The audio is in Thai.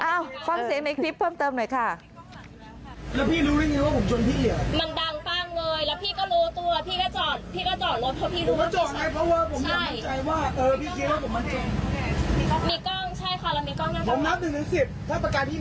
อ้าวความเสียงในคลิปเพิ่มเติมหน่อยค่ะแล้วพี่รู้ได้ยังไงว่าผมจนพี่เหลี่ย